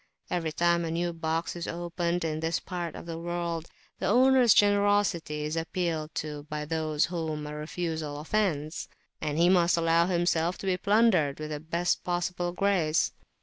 Every time a new box is opened in this part of the world, the owner's generosity is appealed to by those whom a refusal offends, and he must allow himself to be plundered with the best possible grace.